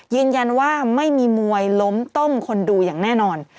ยืนยันว่าไม่มีมวยล้มต้มคนดูอย่างแน่นอน